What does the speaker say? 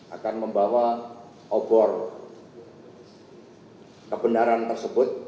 akan membawa obor kebenaran tersebut